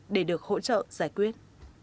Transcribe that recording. để được hỗ trợ giải quyết